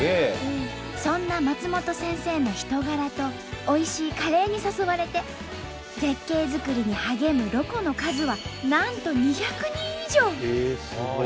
そんな松本先生の人柄とおいしいカレーに誘われて絶景づくりに励むロコの数はなんとへえすごい！